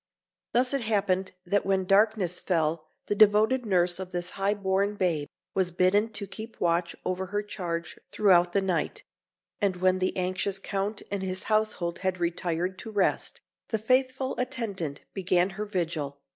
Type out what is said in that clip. Thus it happened that when darkness fell the devoted nurse of this high born babe was bidden to keep watch over her charge throughout the night; and when the anxious Count and his household had retired to rest, the faithful attendant began her vigil.